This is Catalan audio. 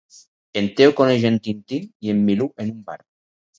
En Teo coneix en Tintín i en Milú en un bar